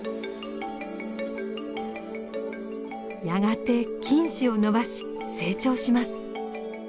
やがて菌糸を伸ばし成長します。